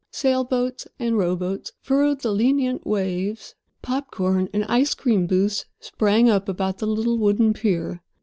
Sailboats and rowboats furrowed the lenient waves, popcorn and ice cream booths sprang up about the little wooden pier.